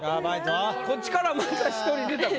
こっちからまた１人出たら。